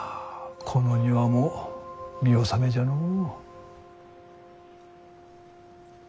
この庭も見納めじゃのう。